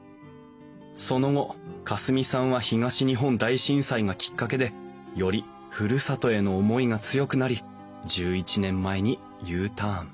その後夏澄さんは東日本大震災がきっかけでよりふるさとへの思いが強くなり１１年前にＵターン。